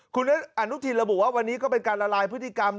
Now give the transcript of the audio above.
คุณอนุทินระบุว่าวันนี้ก็เป็นการละลายพฤติกรรม